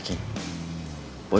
gak ada masalah